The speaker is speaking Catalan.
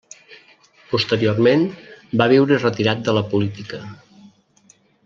Posteriorment va viure retirat de la política.